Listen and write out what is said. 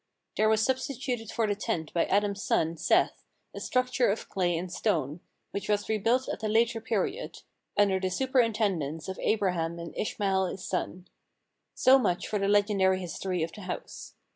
There was substituted for the tent by Adam's son Seth a structure of clay and stone which was rebuilt at a later period, under the superintendence of Abraham and Ishmael his son. So much for the legendary history of the house.